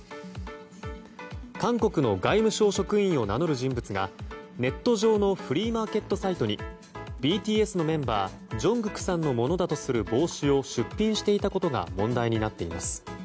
韓国の外務省職員を名乗る人物がネット上のフリーマーケットサイトにＢＴＳのメンバージョングクさんのものだとする帽子を出品していたことが問題になっています。